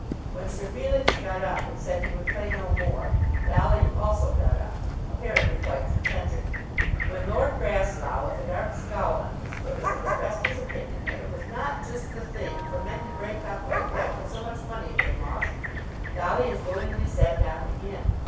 When Sir Felix got up and said he would play no more, Dolly also got up, apparently quite contented. When Lord Grasslough, with a dark scowl on his face, expressed his opinion that it was not just the thing for men to break up like that when so much money had been lost, Dolly as willingly sat down again.